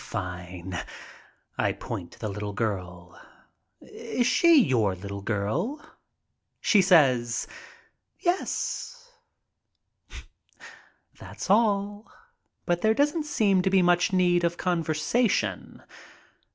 "Fine." I point to the little girl. "Is she your little girl?" She says, "Yes." That's all, but there doesn't seem to be much need of con versation.